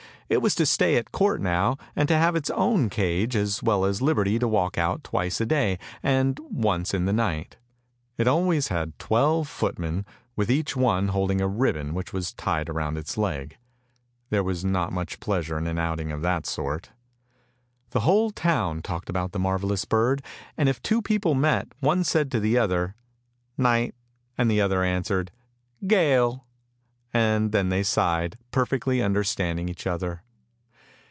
It was to stay at court now, and to have its own cage, as well as liberty to walk out twice a day, and once in the night. It always had twelve footmen with each one holding a ribbon which was tied round its leg. There was not much pleasure in an outing of that sort. The whole town talked about the marvellous bird, and if two people met, one said to the other " Night," and the other answered " Gale," and then they sighed, perfectly understanding each other.